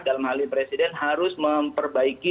dalam hal ini presiden harus memperbaiki